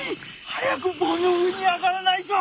早く棒の上に上がらないと！